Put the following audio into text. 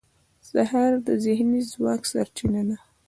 سهار د ذهني ځواک سرچینه ده.